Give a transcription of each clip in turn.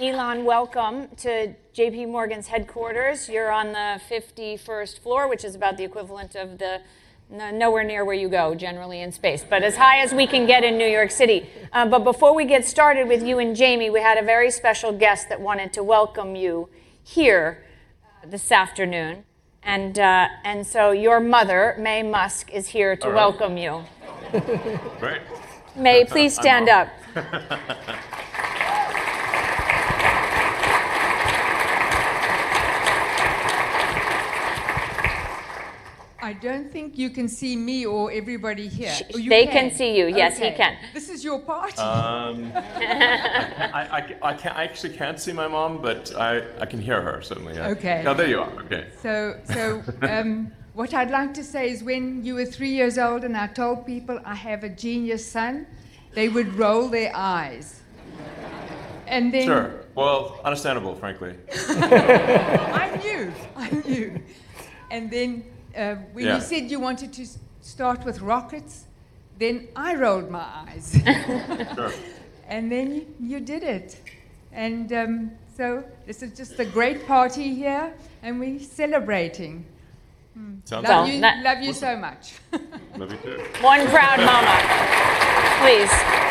Elon, welcome to J.P. Morgan's headquarters. You're on the 51st floor, which is about the equivalent of the nowhere near where you go generally in space but as high as we can get in New York City. Before we get started with you and Jamie, we had a very special guest that wanted to welcome you here this afternoon. Your mother, Maye Musk, is here to welcome you. All right. Great. Maye, please stand up. I don't think you can see me or everybody here. Oh, you can. They can see you. Yes, we can. Okay. This is your party. I actually can't see my mom, but I can hear her, certainly. Okay. Oh, there you are. Okay. What I'd like to say is when you were three years old and I told people I have a genius son, they would roll their eyes. Sure. Well, understandable, frankly. I'm you. Yeah When you said you wanted to start with rockets, then I rolled my eyes. Sure. You did it. This is just a great party here, and we're celebrating. Sounds good. Well, that- Love you so much. Love you too. One proud mama. Please.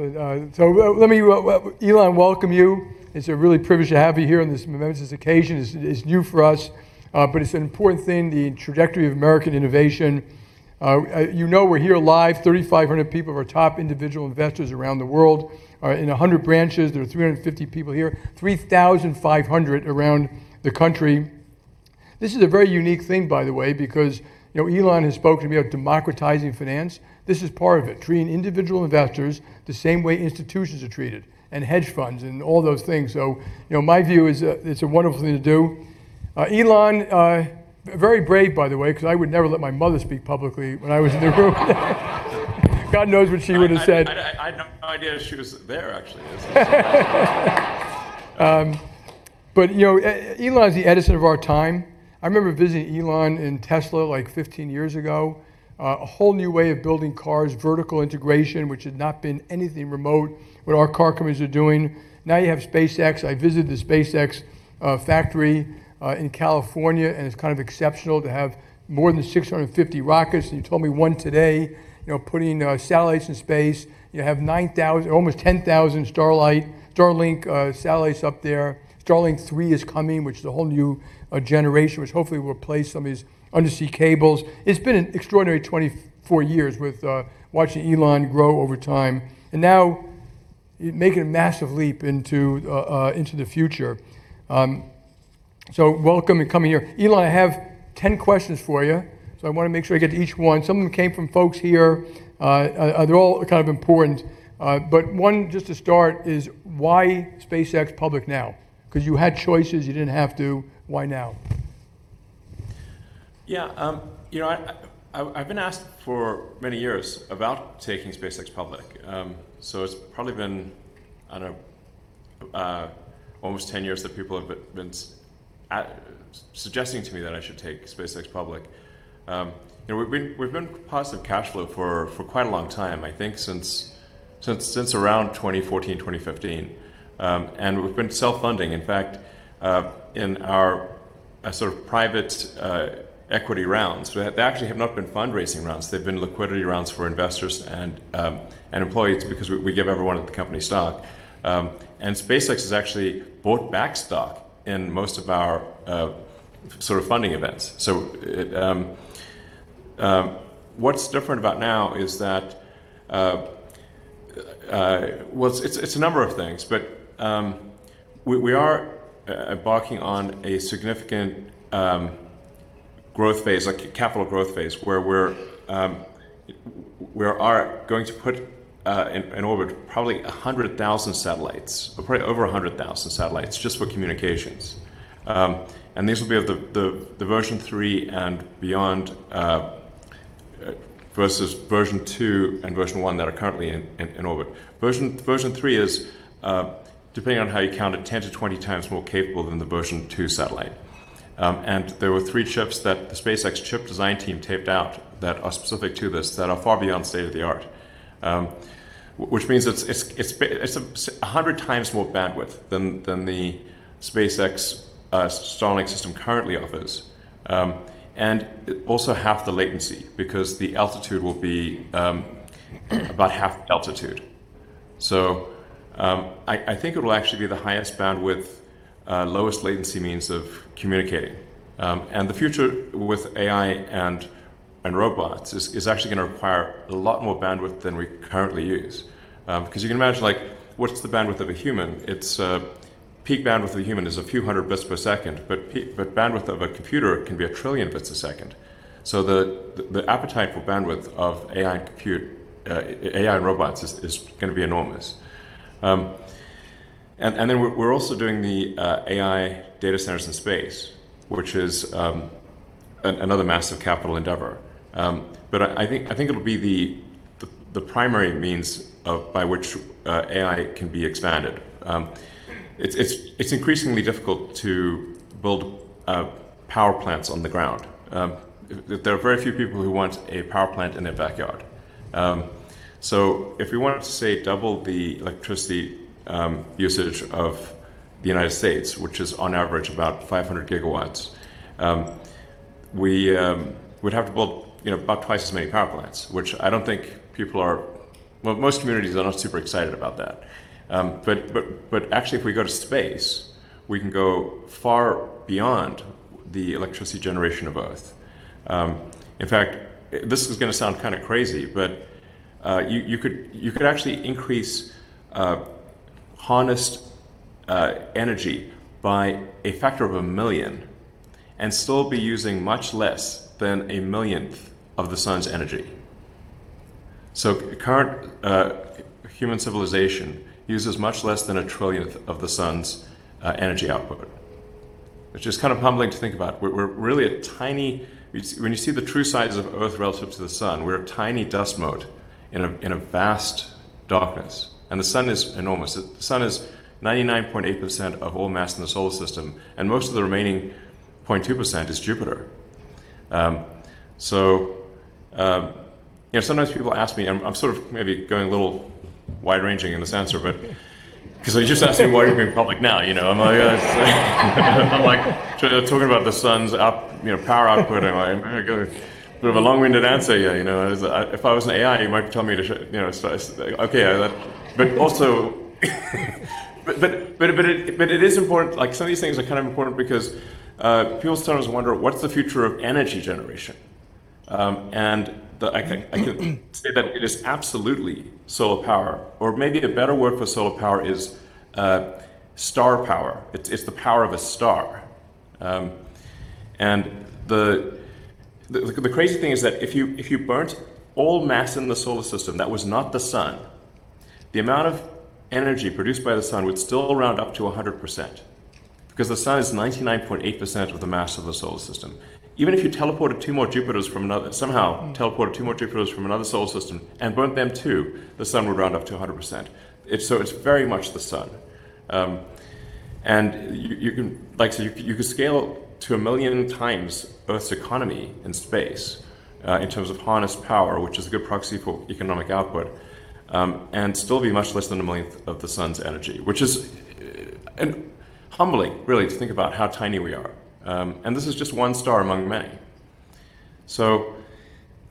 Let me, Elon, welcome you. It's a real privilege to have you here on this momentous occasion. It's new for us, but it's an important thing, the trajectory of American innovation. You know we're here live, 3,500 people of our top individual investors around the world are in 100 branches. There are 350 people here, 3,500 around the country. This is a very unique thing, by the way, because Elon has spoken to me about democratizing finance. This is part of it, treating individual investors the same way institutions are treated, and hedge funds and all those things. My view is it's a wonderful thing to do. Elon, very brave, by the way, because I would never let my mother speak publicly when I was in the room. God knows what she would've said. I had no idea she was there, actually. Elon is the Edison of our time. I remember visiting Elon in Tesla 15 years ago. A whole new way of building cars, vertical integration, which had not been anything remote what our car companies are doing. Now you have SpaceX. I visited the SpaceX factory in California, and it's kind of exceptional to have more than 650 rockets. You told me one today putting satellites in space. You have almost 10,000 Starlink satellites up there. Starlink 3 is coming, which is a whole new generation, which hopefully will replace some of these undersea cables. It's been an extraordinary 24 years with watching Elon grow over time. Now, making a massive leap into the future. Welcome in coming here. Elon, I have 10 questions for you, I want to make sure I get to each one. Some of them came from folks here. They're all kind of important. One just to start is why SpaceX public now? You had choices, you didn't have to. Why now? Yeah. I've been asked for many years about taking SpaceX public. It's probably been almost 10 years that people have been suggesting to me that I should take SpaceX public. We've been positive cash flow for quite a long time, I think since around 2014, 2015. We've been self-funding. In fact, in our sort of private equity rounds, they actually have not been fundraising rounds. They've been liquidity rounds for investors and employees because we give everyone at the company stock. SpaceX has actually bought back stock in most of our funding events. What's different about now is that Well, it's a number of things, but we are embarking on a significant growth phase, like a capital growth phase, where we are going to put in orbit probably 100,000 satellites, or probably over 100,000 satellites just for communications. These will be of the Version 3 and beyond, versus Version 2 and Version 1 that are currently in orbit. Version 3 is, depending on how you count it, 10 to 20 times more capable than the Version 2 satellite. There were three chips that the SpaceX chip design team taped out that are specific to this that are far beyond state of the art, which means it's 100 times more bandwidth than the SpaceX Starlink system currently offers. Also half the latency because the altitude will be about half the altitude. I think it'll actually be the highest bandwidth, lowest latency means of communicating. The future with AI and robots is actually going to require a lot more bandwidth than we currently use. You can imagine, what's the bandwidth of a human? Peak bandwidth of a human is a few hundred bits per second. Bandwidth of a computer can be 1 trillion bits a second. The appetite for bandwidth of AI and robots is going to be enormous. We're also doing the AI data centers in space, which is another massive capital endeavor. I think it'll be the primary means by which AI can be expanded. It's increasingly difficult to build power plants on the ground. There are very few people who want a power plant in their backyard. If we wanted to, say, double the electricity usage of the United States, which is on average about 500 gigawatts, we would have to build about twice as many power plants, which most communities are not super excited about that. Actually, if we go to space, we can go far beyond the electricity generation of Earth. In fact, this is going to sound kind of crazy, but you could actually increase harnessed energy by a factor of 1 million and still be using much less than a 1 millionth of the Sun's energy. Current human civilization uses much less than a 1 trillionth of the Sun's energy output, which is kind of humbling to think about. When you see the true size of Earth relative to the Sun, we're a tiny dust mote in a vast darkness, and the Sun is enormous. The Sun is 99.8% of all mass in the solar system, and most of the remaining 0.2% is Jupiter. Sometimes people ask me, I'm sort of maybe going a little wide-ranging in this answer. Yeah Because I was just asking why you made it public now. I'm talking about the Sun's power output. I'm like, I got a bit of a long-winded answer here. If I was an AI, you might tell me to shut Okay. Some of these things are kind of important because people sometimes wonder, what's the future of energy generation? I can say that it is absolutely solar power, or maybe a better word for solar power is star power. It's the power of a star. The crazy thing is that if you burnt all mass in the solar system that was not the Sun, the amount of energy produced by the Sun would still round up to 100%, because the Sun is 99.8% of the mass of the solar system. Even if you somehow teleported two more Jupiters from another solar system and burnt them, too, the Sun would round up to 100%. It's very much the Sun. You could scale to a million times Earth's economy in space, in terms of harnessed power, which is a good proxy for economic output, and still be much less than a millionth of the Sun's energy, which is humbling, really, to think about how tiny we are. This is just one star among many.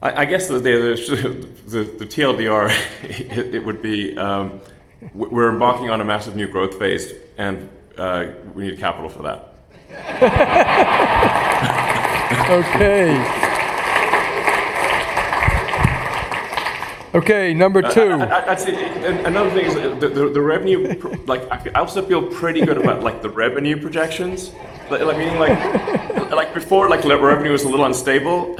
I guess the TLDR it would be, we're embarking on a massive new growth phase, and we need capital for that. Okay. Okay, Number 2. Another thing is, I also feel pretty good about the revenue projections. Before, revenue was a little unstable,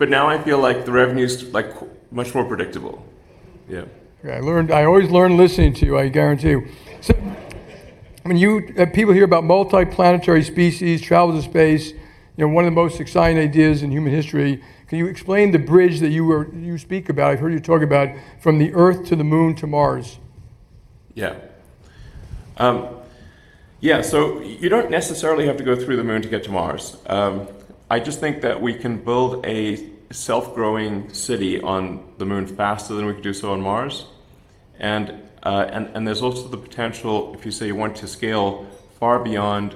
but now I feel like the revenues much more predictable. Yeah. Yeah, I always learn listening to you, I guarantee you. When people hear about multi-planetary species, travel to space, one of the most exciting ideas in human history, can you explain the bridge that you speak about, I've heard you talk about, from the Earth to the Moon to Mars? Yeah. You don't necessarily have to go through the Moon to get to Mars. I just think that we can build a self-growing city on the Moon faster than we could do so on Mars, and there's also the potential, if you say you want to scale far beyond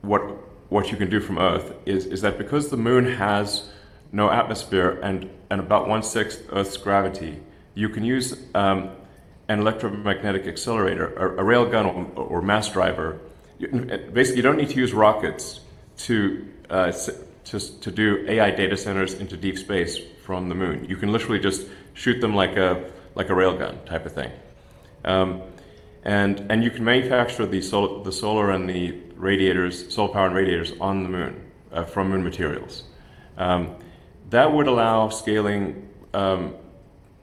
what you can do from Earth, is that because the Moon has no atmosphere and about one sixth Earth's gravity, you can use an electromagnetic accelerator or a railgun or mass driver. Basically, you don't need to use rockets to do AI data centers into deep space from the Moon. You can literally just shoot them like a railgun type of thing. You can manufacture the solar and the solar-powered radiators on the Moon from Moon materials. That would allow scaling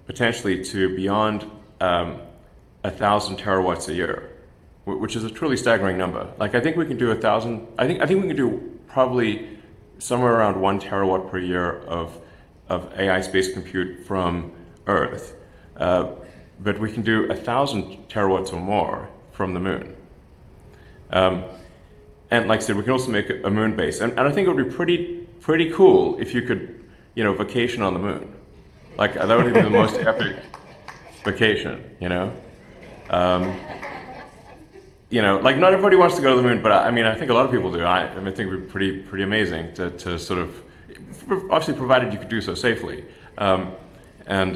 potentially to beyond 1,000 terawatts a year, which is a truly staggering number. I think we can do probably somewhere around one terawatt per year of AI space compute from Earth. We can do 1,000 terawatts or more from the Moon. Like I said, we can also make a Moon base, and I think it would be pretty cool if you could vacation on the Moon. That would be the most epic vacation. Not everybody wants to go to the Moon, but I think a lot of people do. I think it would be pretty amazing to Obviously, provided you could do so safely, and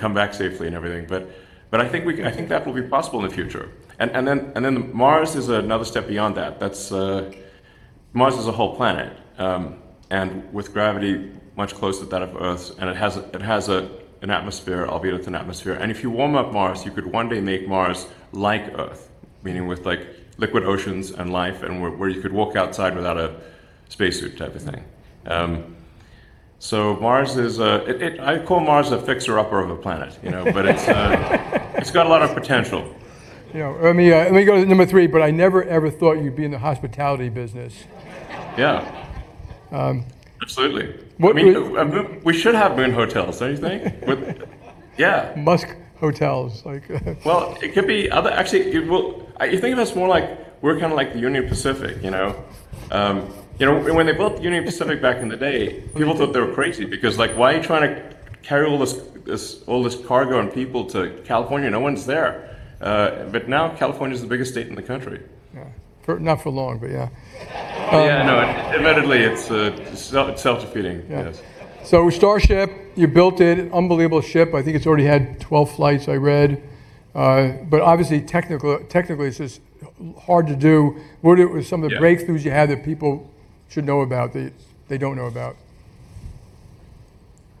come back safely and everything. I think that will be possible in the future. Mars is another step beyond that. Mars is a whole planet, and with gravity much closer to that of Earth, and it has an atmosphere. If you warm up Mars, you could one day make Mars like Earth, meaning with liquid oceans and life, and where you could walk outside without a spacesuit type of thing. I call Mars a fixer-upper of a planet. It's got a lot of potential. Let me go to Number 3, but I never, ever thought you'd be in the hospitality business. Yeah. Absolutely. What- We should have been hotels, don't you think? Yeah. Musk Hotels. Like. Well, actually, you think of us more like we're the Union Pacific. When they built the Union Pacific back in the day, people thought they were crazy because why are you trying to carry all this cargo and people to California? No one's there. Now California's the biggest state in the country. Yeah. Not for long, but yeah. Yeah, no, admittedly it's self-defeating. Yes. Yeah. Starship, you built it. Unbelievable ship. I think it's already had 12 flights, I read. Obviously, technically, it's just hard to do. What are some? Yeah of the breakthroughs you had that people should know about, that they don't know about?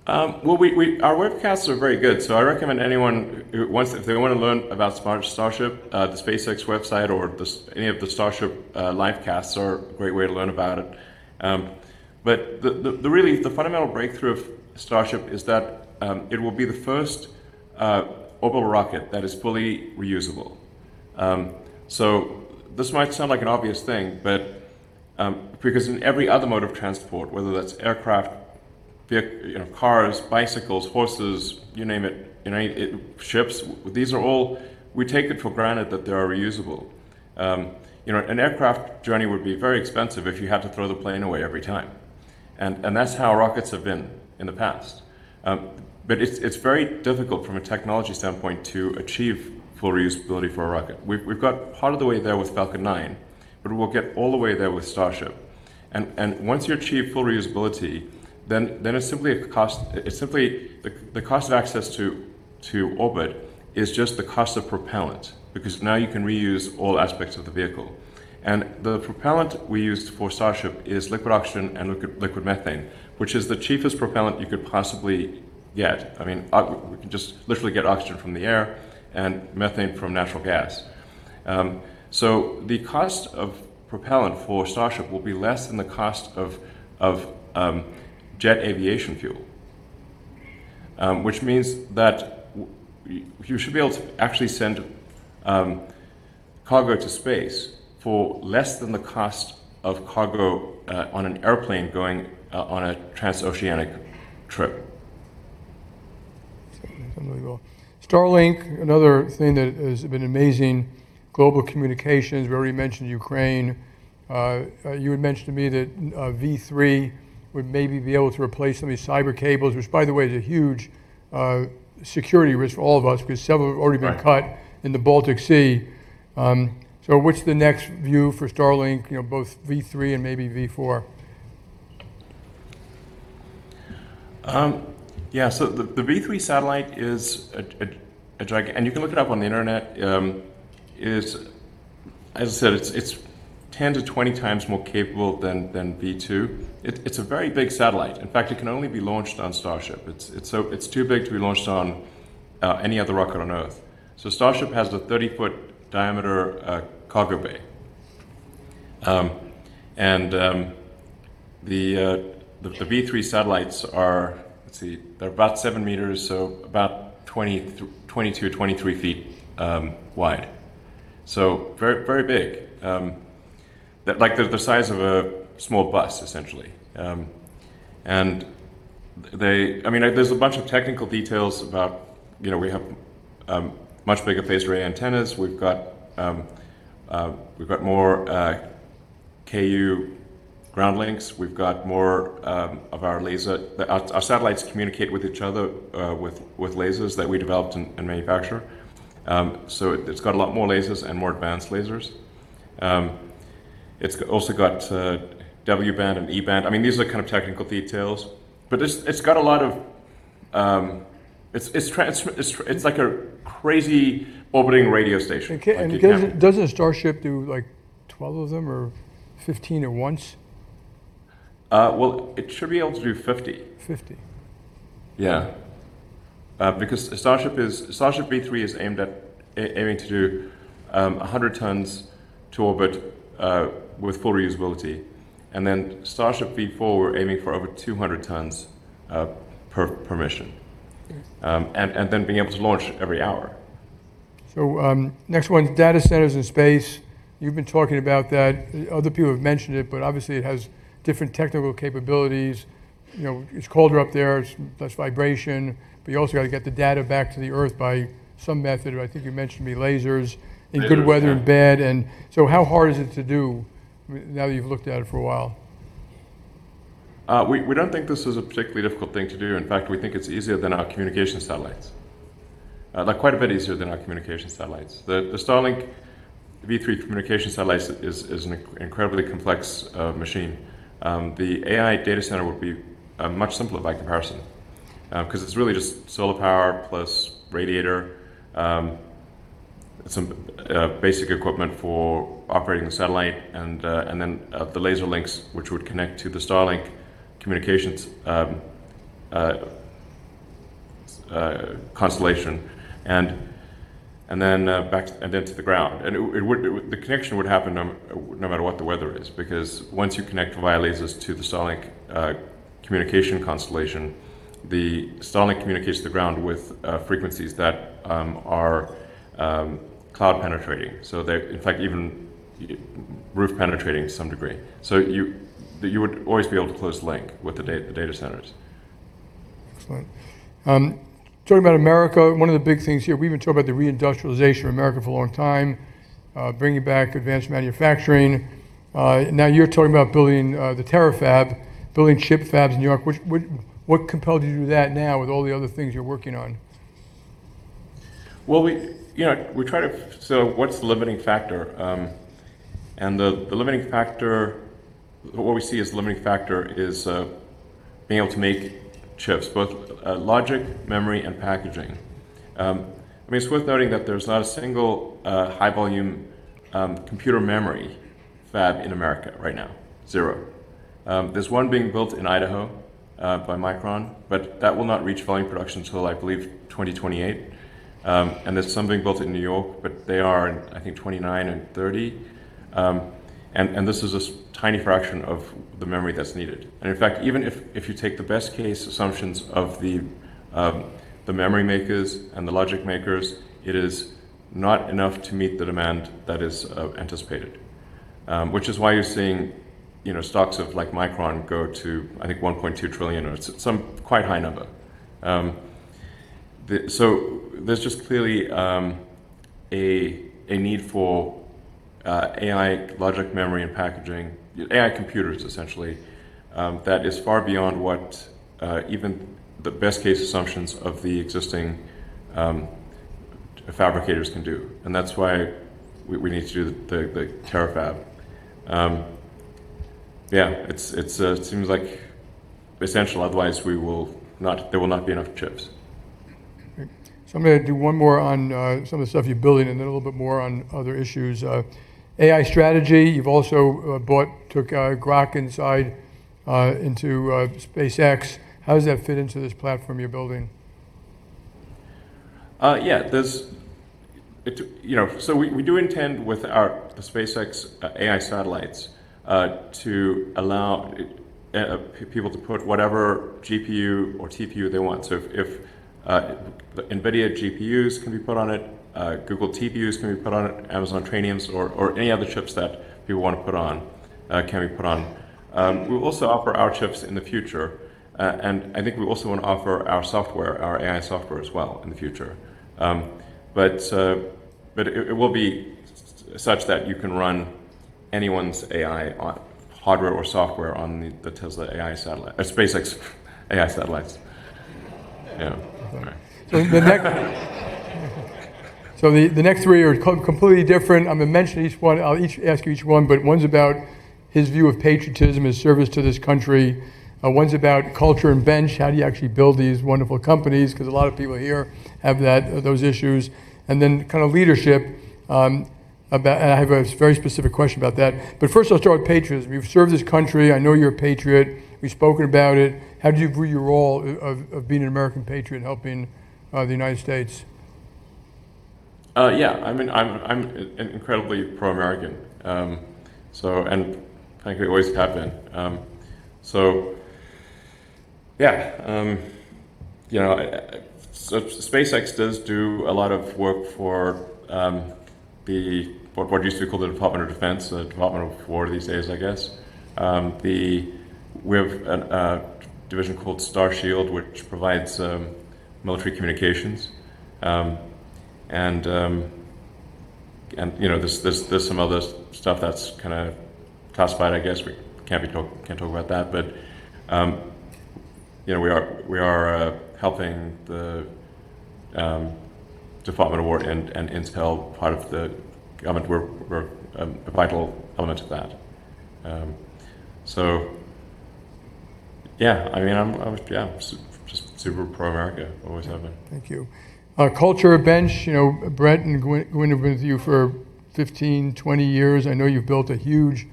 Well, our webcasts are very good. I recommend anyone, if they want to learn about Starship, the SpaceX website or any of the Starship live casts are a great way to learn about it. The fundamental breakthrough of Starship is that it will be the first orbital rocket that is fully reusable. This might sound like an obvious thing, but because in every other mode of transport, whether that's aircraft, cars, bicycles, horses, you name it, ships, these are all. We take it for granted that they are reusable. An aircraft journey would be very expensive if you had to throw the plane away every time. That's how rockets have been in the past. It's very difficult from a technology standpoint to achieve full reusability for a rocket. We've got part of the way there with Falcon 9, but we'll get all the way there with Starship. Once you achieve full reusability, then the cost of access to orbit is just the cost of propellant, because now you can reuse all aspects of the vehicle. The propellant we used for Starship is liquid oxygen and liquid methane, which is the cheapest propellant you could possibly get. We can just literally get oxygen from the air and methane from natural gas. The cost of propellant for Starship will be less than the cost of jet aviation fuel, which means that you should be able to actually send cargo to space for less than the cost of cargo on an airplane going on a transoceanic trip. That's unbelievable. Starlink, another thing that has been amazing. Global communications. We already mentioned Ukraine. You had mentioned to me that V3 would maybe be able to replace some of these subsea cables, which by the way, is a huge security risk for all of us because several have already been cut. Right in the Baltic Sea. What's the next view for Starlink, both V3 and maybe V4? You can look it up on the internet. As I said, it's 10 to 20 times more capable than V2. It's a very big satellite. In fact, it can only be launched on Starship. It's too big to be launched on any other rocket on Earth. Starship has the 30-foot diameter cargo bay. The V3 satellites are, let's see, they're about seven meters, so, about 22 or 23 feet wide. Very big. They're the size of a small bus, essentially. There's a bunch of technical details. We have much bigger phased array antennas. We've got more Ku ground links. Our satellites communicate with each other with lasers that we developed and manufacture. It's got a lot more lasers and more advanced lasers. It's also got W-band and E-band. These are kind of technical details. It's like a crazy orbiting radio station. Doesn't Starship do 12 of them or 15 at once? Well, it should be able to do 50. 50. Yeah. Starship V3 is aiming to do 100 tons to orbit with full reusability. Starship V4, we're aiming for over 200 tons per mission. Yes. Being able to launch every hour. Next one, data centers in space. You've been talking about that. Other people have mentioned it, but obviously it has different technical capabilities. It's colder up there. There's less vibration. You also got to get the data back to the Earth by some method, or I think you mentioned to me lasers. Lasers, yeah in good weather and bad. How hard is it to do now that you've looked at it for a while? We don't think this is a particularly difficult thing to do. In fact, we think it's easier than our communication satellites. Like quite a bit easier than our communication satellites. The Starlink V3 communication satellite is an incredibly complex machine. The AI data center would be much simpler by comparison, because it's really just solar power plus radiator. Some basic equipment for operating the satellite and then the laser links, which would connect to the Starlink communications constellation, and then to the ground. The connection would happen no matter what the weather is, because once you connect via lasers to the Starlink communication constellation, the Starlink communicates to the ground with frequencies that are cloud penetrating. They, in fact, even roof penetrating to some degree. You would always be able to close the link with the data centers. Excellent. Talking about America, one of the big things here, we even talk about the re-industrialization of America for a long time, bringing back advanced manufacturing. Now you're talking about building the Terafab, building chip fabs in New York. What compelled you to do that now with all the other things you're working on? What's the limiting factor? What we see as the limiting factor is being able to make chips, both logic, memory, and packaging. It's worth noting that there's not a single high-volume computer memory fab in the U.S. right now. Zero. There's one being built in Idaho, by Micron, but that will not reach volume production until, I believe, 2028. There's some being built in New York, but they are in, I think, 2029 and 2030. This is a tiny fraction of the memory that's needed. In fact, even if you take the best-case assumptions of the memory makers and the logic makers, it is not enough to meet the demand that is anticipated. That is why you're seeing stocks of Micron go to, I think, $1.2 trillion or some quite high number. There's just clearly a need for AI logic, memory, and packaging, AI computers, essentially, that is far beyond what even the best-case assumptions of the existing fabricators can do. That's why we need to do the Terafab. Yeah, it seems like essential, otherwise there will not be enough chips. I'm going to do one more on some of the stuff you're building and then a little bit more on other issues. AI strategy, you've also took Grok inside into SpaceX. How does that fit into this platform you're building? Yeah. We do intend with the SpaceX AI satellites to allow people to put whatever GPU or TPU they want. If NVIDIA GPUs can be put on it, Google TPUs can be put on it, Amazon Trainium or any other chips that people want to put on, can be put on. We will also offer our chips in the future. I think we also want to offer our software, our AI software as well in the future. It will be such that you can run anyone's AI on hardware or software on the SpaceX AI satellite or SpaceX AI satellites. Yeah. Okay. The next three are completely different. I'm going to mention each one. I'll ask you each one, but one's about his view of patriotism, his service to this country. Ones about culture and bench, how do you actually build these wonderful companies, because a lot of people here have those issues. Then leadership, and I have a very specific question about that. First, I'll start with patriotism. You've served this country. I know you're a patriot. We've spoken about it. How do you view your role of being an American patriot helping the United States? Yeah, I'm incredibly pro-American. Thank you, always have been. Yeah. SpaceX does do a lot of work for what used to be called the Department of Defense, the Department of War these days, I guess. We have a division called Starshield, which provides military communications. There's some other stuff that's kind of classified; I guess. We can't talk about that. We are helping the Department of War and Intel, part of the government. We're a vital element of that. Yeah. I'm just super pro-America. Always have been. Thank you. Culture bench, Bret has been with you for 15, 20 years. I know you've built a huge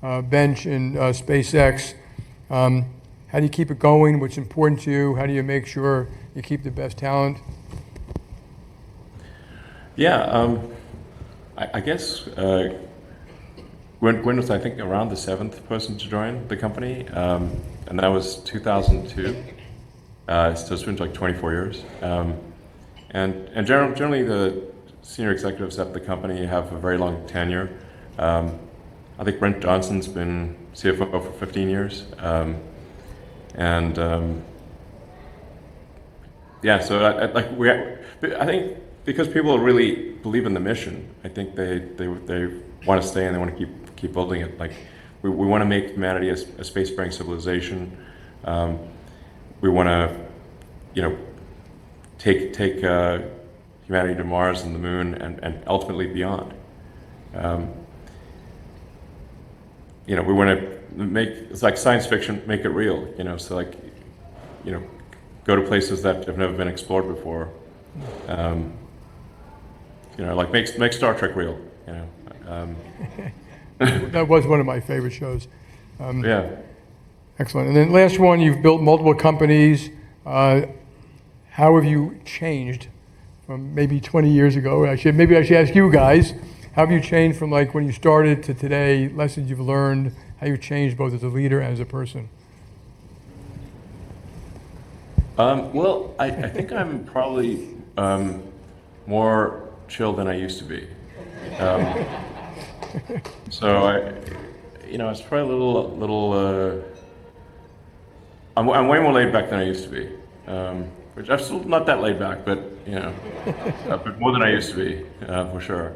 bench in SpaceX. How do you keep it going? What's important to you? How do you make sure you keep the best talent? Yeah. I guess Gwynne was, I think, around the seventh person to join the company, and that was 2002. It's been like 24 years. Generally, the senior executives at the company have a very long tenure. I think Bret Johnsen's been CFO for 15 years. Yeah, I think because people really believe in the mission, I think they want to stay, and they want to keep building it. We want to make humanity a spacefaring civilization. We want to take humanity to Mars and the Moon and ultimately beyond. We want to make science fiction, make it real. Go to places that have never been explored before. Make Star Trek real. That was one of my favorite shows. Yeah. Excellent. Last one, you've built multiple companies. How have you changed from maybe 20 years ago? Actually, maybe I should ask you guys, how have you changed from when you started to today, lessons you've learned, how you've changed both as a leader and as a person? Well, I think I'm probably more chill than I used to be. I'm way more laid back than I used to be. Which I'm still not that laid back, but more than I used to be, for sure.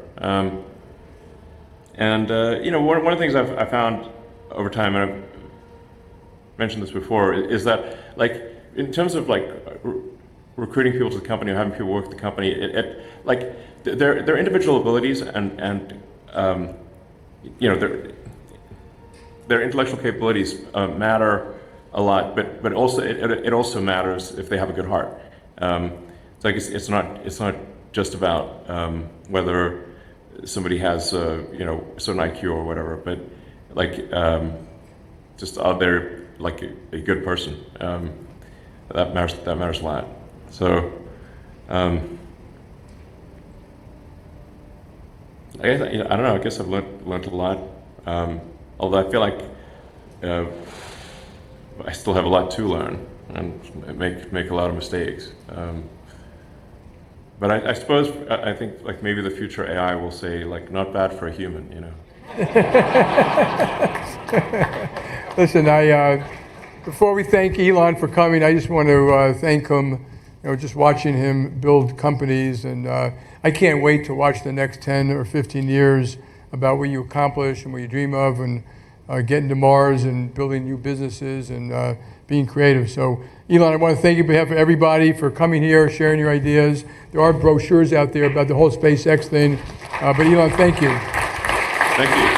One of the things I've found over time, and I've mentioned this before, is that in terms of recruiting people to the company or having people work at the company, their individual abilities and their intellectual capabilities matter a lot, but it also matters if they have a good heart. It's not just about whether somebody has a certain IQ or whatever, but just are they a good person? That matters a lot. I don't know. I guess I've learned a lot, although I feel like I still have a lot to learn and make a lot of mistakes. I suppose, I think maybe the future AI will say, "Not bad for a human. Listen, before we thank Elon for coming, I just want to thank him. Just watching him build companies, and I can't wait to watch the next 10 or 15 years about what you accomplish and what you dream of, and getting to Mars, and building new businesses, and being creative. Elon, I want to thank you, on behalf of everybody, for coming here, sharing your ideas. There are brochures out there about the whole SpaceX thing. Elon, thank you. Thank you. Thanks for having me.